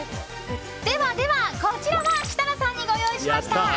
こちらは設楽さんにご用意しました。